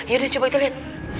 yaudah coba kita liat